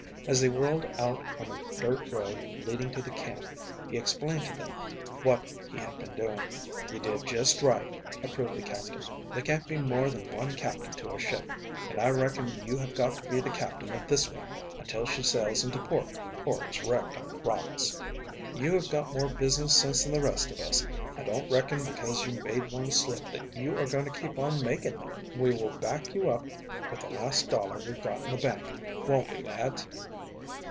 As they whirled out on the dirt road leading to the camp he explained to them what he had been doing. "You did just right," approved the Captain. "There can't be more than one captain to a ship, and I reckon you have got to be captain of this one until she sails into port or is wrecked on the rocks. You have got more business sense than the rest of us. I don't reckon because you made one slip that you are going to keep on making them. We will back you up with the last dollar we've got in the bank, won't we, lads?"